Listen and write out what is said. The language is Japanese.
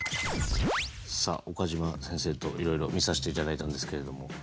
さあ岡島先生といろいろ見させていただいたんですけれども。